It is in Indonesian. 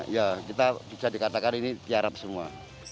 ya kita bisa dikatakan ini tiarap semua